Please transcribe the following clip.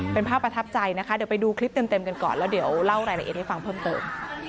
เป็นภาพประทับใจนะคะเดี๋ยวไปดูคลิปเต็มกันก่อนแล้วเดี๋ยวเล่ารายละเอียดให้ฟังเพิ่มเติม